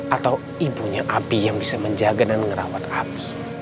atau ibunya abi yang bisa menjaga dan merawat abi